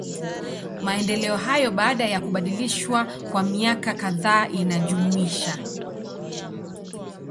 Maendeleo hayo, baada ya kubadilishwa kwa miaka kadhaa inajumuisha.